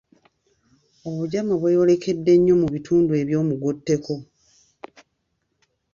Obugyama bweyolekedde nnyo mu bitundu eby’omugotteko.